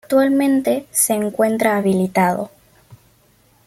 Actualmente se encuentra habilitado.